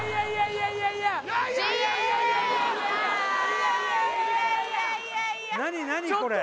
いやいやいや何何これ？